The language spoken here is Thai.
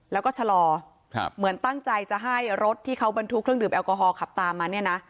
แล้วก็ชะลอเหมือนตั้งใจจะให้รถที่เขาบรรทุกเครื่องดื่มแอลกอฮอลขับตามมาเนี่ยนะ